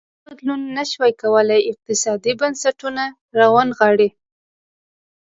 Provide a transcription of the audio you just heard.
دغه بدلون نه ش وای کولی اقتصادي بنسټونه راونغاړي.